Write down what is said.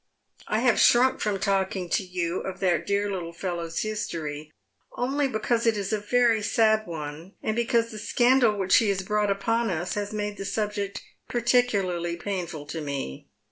" I have shrunk from talking to you of that dear little fellow's histoiy only because it is a very sad one, and because the scandal which he has brought upon us has made the subject particularly painful to me.